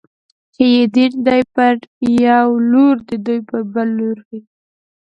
چې يې دين دی، پر يو لور دوی پر بل لوري